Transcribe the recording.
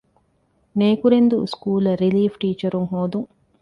ނޭކުރެންދޫ ސްކޫލަށް ރިލީފް ޓީޗަރުން ހޯދުން